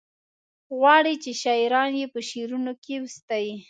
غواړي چې شاعران یې په شعرونو کې وستايي.